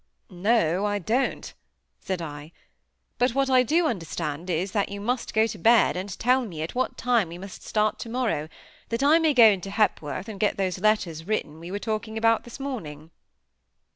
"No, I don't," said I. "But what I do understand is, that you must go to bed; and tell me at what time we must start tomorrow, that I may go to Hepworth, and get those letters written we were talking about this morning."